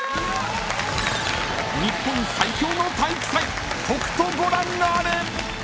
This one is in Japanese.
［日本最強の体育祭とくとご覧あれ！］